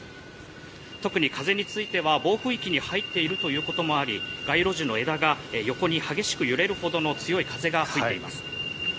特に風については、暴風域に入っているということもあり街路樹の枝が横に激しく揺れるほどの強い風が吹いています。